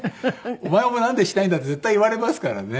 「お前もなんでしないんだ」って絶対言われますからね。